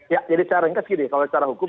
ya jadi cara ringkas gini kalau secara hukum